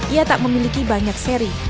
ia tak memiliki banyak seri